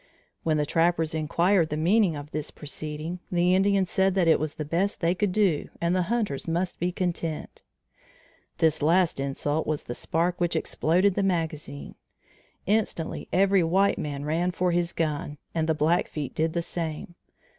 When the trappers inquired the meaning of this proceeding, the Indians said that it was the best they could do and the hunters must be content. This last insult was the spark which exploded the magazine. Instantly every white man ran for his gun, and the Blackfeet did the same.